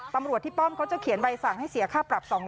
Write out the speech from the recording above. ตำรวจที่ป้อมเขาจะเขียนใบสั่งให้เสียค่าปรับ๒๐๐